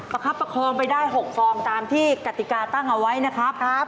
คับประคองไปได้๖ฟองตามที่กติกาตั้งเอาไว้นะครับ